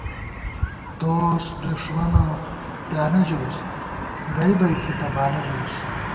دوس دݭمَنہ پیانہ ژَوُس، بئ بئ تھِتہ بالہ ژَوُس